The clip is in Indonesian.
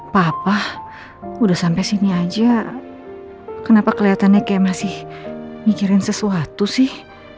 papa udah sampai sini aja kenapa kelihatannya kayak masih mikirin sesuatu sih